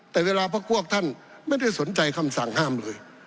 แต่เวลาพักพวกท่านไม่ได้สนใจคำสั่งห้ามเลย